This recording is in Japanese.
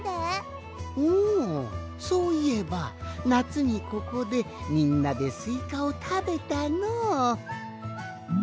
おそういえばなつにここでみんなでスイカをたべたのう。